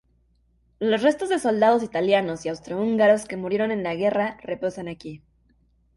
Los restos de soldados italianos y austro-húngaros que murieron en la guerra reposan aquí.